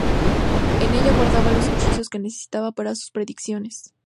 En ella guardaba los hechizos que necesitaba para sus predicciones.